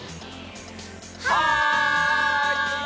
はい！